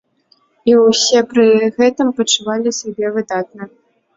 І ўсе пры гэтым пачувалі сябе выдатна.